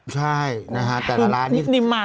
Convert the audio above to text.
ใช่นะฮะแต่ละร้าน